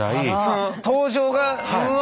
登場が「うわ！